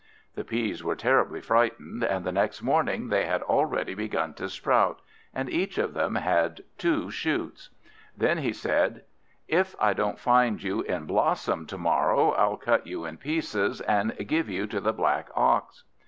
The peas were terribly frightened, and the next morning they had already begun to sprout, and each of them had two shoots. Then he said, "If I don't find you in blossom to morrow I'll cut you in pieces and give you to the black Ox."